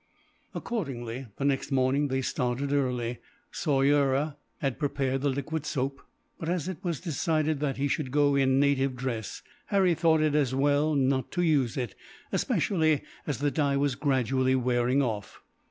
Accordingly, the next morning they started early. Soyera had prepared the liquid soap, but as it was decided that he should go in native dress, Harry thought it as well not to use it, especially as the dye was gradually wearing off.